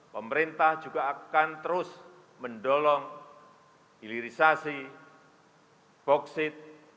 pemerintah juga akan terus mendolong hilirisasi boksit